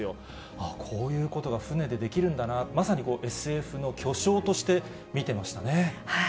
ああ、こういうことが船でできるんだな、まさにＳＦの巨匠として見てましたね。